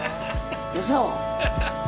嘘！？